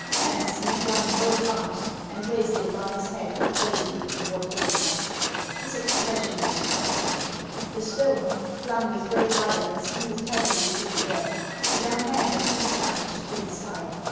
Hans seized one in both arms and raised it above his head, poising it toward Ordener. His expression was frightful. The stone, Hung with great violence, moved heavily tin ( nigh the air; the young man had just time to spring aside.